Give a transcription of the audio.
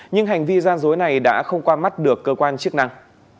nhưng hành vi gian dối này đã không qua mắt được cơ quan chức năng